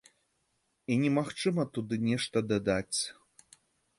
І немагчыма туды нешта дадаць.